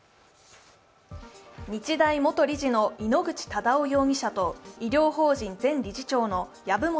日大元理事の井ノ口忠男容疑者と医療法人前理事長の籔本